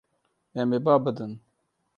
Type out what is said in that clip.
Em ê ba bidin.